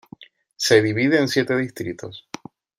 Se divide en siete distritos.